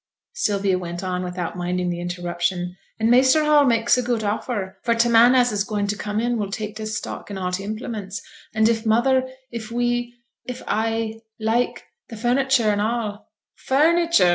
Sylvia went on without minding the interruption. 'And Measter Hall makes a good offer, for t' man as is going to come in will take t' stock and a' t' implements; and if mother if we if I like, th' furniture and a' ' 'Furniture!'